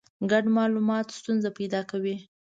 ګډ مالومات ستونزه پیدا کوي.